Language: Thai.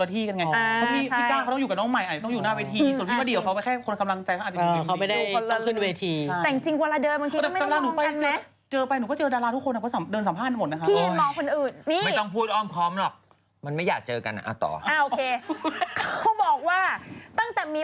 แต่ว่าจับภาพได้ทันเพราะว่าไม่ได้หายไปอย่างรวดเร็วนี่